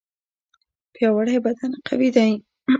پیاوړی بدن قوي دی.